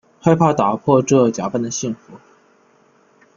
害怕打破这假扮的幸福